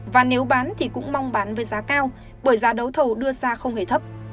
và nếu bán thì cũng mong bán với giá cao bởi giá đấu thầu đưa ra không hề thấp